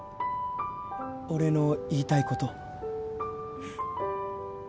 俺の言いたいこと。